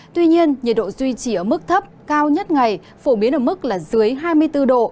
tuy nhiên nhiệt độ duy trì ở mức thấp cao nhất ngày phổ biến ở mức là dưới hai mươi bốn độ